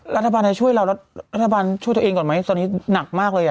รัฐบาลไทยช่วยเราแล้วรัฐบาลช่วยตัวเองก่อนไหมตอนนี้หนักมากเลย